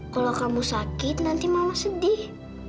kalau kamu sakit nanti mama sedih